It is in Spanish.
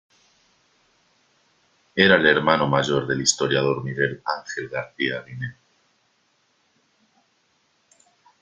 Era el hermano mayor del historiador Miguel Ángel García Guinea.